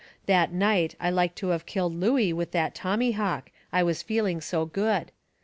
That night I like to of killed Looey with that tommyhawk, I was feeling so good.